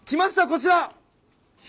こちら。